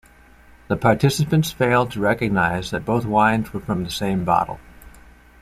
The participants failed to recognize that both wines were from the same bottle.